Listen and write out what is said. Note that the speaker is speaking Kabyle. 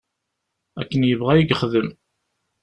Akken yebɣa i yexdem.